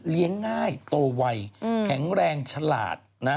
เลี้ยงง่ายโตวัยแข็งแรงฉลาด